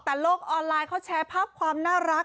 แต่โลกออนไลน์เขาแชร์ภาพความน่ารัก